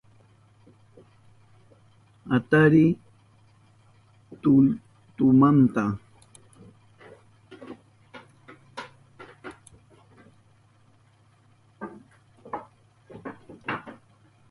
Atariy tulltumanta